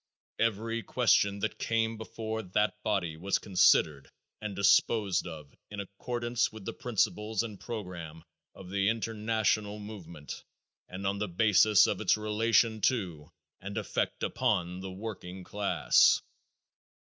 Every question that came before that body was considered and disposed of in accordance with the principles and program of the international movement and on the basis of its relation to and effect upon the working class.